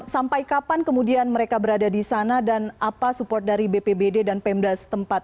sampai kapan kemudian mereka berada di sana dan apa support dari bpbd dan pemda setempat